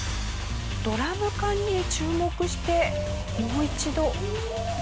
ドラム缶に注目してもう一度。